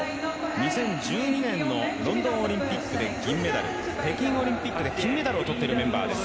２０１２年のロンドン・オリンピックで銀メダル、北京オリンピックで金メダルを取っているメンバーです。